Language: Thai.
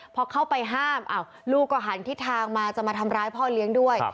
พอเข้าไปห้ามลูกก็หันทิศทางมาจะมาทำร้ายพ่อเลี้ยงด้วย